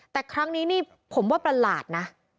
แต่ครั้งนี้นี่ผมว่าประหลาดนะ